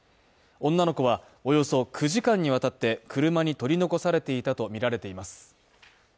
女の子は、およそ９時間にわたって車に取り残されていたとみられています。